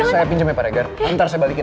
saya pinjam ya pak regar ntar saya balikin